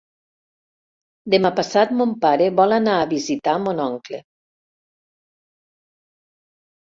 Demà passat mon pare vol anar a visitar mon oncle.